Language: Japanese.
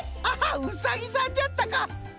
ハハッうさぎさんじゃったか！